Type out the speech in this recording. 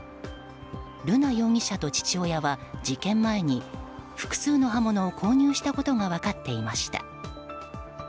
瑠奈容疑者と父親は、事件前に複数の刃物を購入したことが分かっていました。